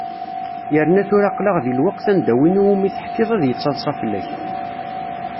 Yerna tura aql-aɣ deg lweqt anda win i wumi teḥkiḍ ad yettaḍsa fell-k.